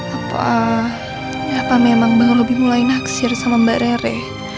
apa apa memang bang robi mulai naksir sama mbak nireh